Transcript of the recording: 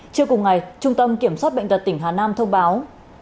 trước cùng ngày trung tâm kiểm soát bệnh tật tỉnh hà nam thông báo